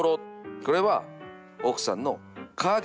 これは奥さんの陰。